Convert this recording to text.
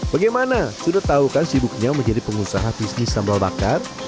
bagaimana sudah tahu kan sibuknya menjadi pengusaha bisnis sambal bakar